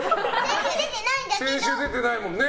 先週出てないもんね。